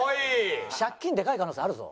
借金でかい可能性あるぞ。